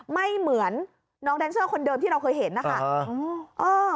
ไม่เหมือนน้องแดนเซอร์คนเดิมที่เราเคยเห็นนะคะ